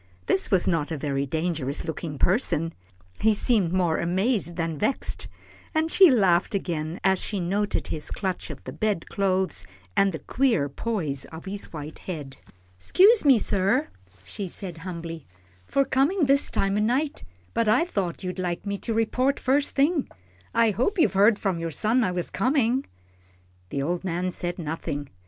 This was not a very dangerous looking person. He seemed more amazed than vexed, and she laughed again as she noted his clutch of the bed clothes, and the queer poise of his white head. "'Scuse me, sir," she said, humbly, "for comin' this time o' night, but I thought you'd like me to report first thing. I hope you've heard from your son I was comin'?" The old man said nothing.